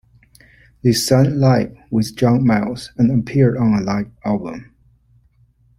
They sang live with John Miles and appeared on a live album.